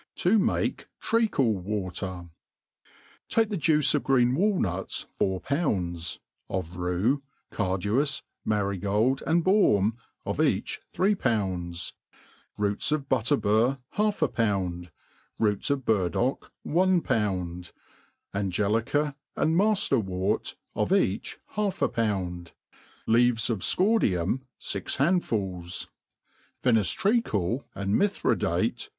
T$ mafi Tria£U^WaUr\ TAKE the juice of green walcmtt four pounds^ of roe, car* dupSy marygold^ and baam, of eiich th^ee poundS) rodta of butttr bur half a pound, roots of burd<x:k one pound, ^n^ gelica and mafter wort, of each half a poand, leaves of icordium fix handfuts, Venke treacle and mirhridate.